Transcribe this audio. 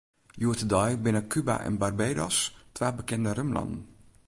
Hjoed-de-dei binne Kuba en Barbados twa bekende rumlannen.